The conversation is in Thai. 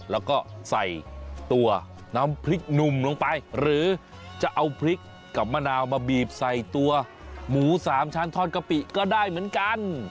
แล้วก็ใส่ตัวน้ำพริกหนุ่มลงไปหรือจะเอาพริกกับมะนาวมาบีบใส่ตัวหมูสามชั้นทอดกะปิก็ได้เหมือนกัน